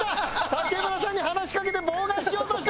竹村さんに話しかけて妨害しようとしてます。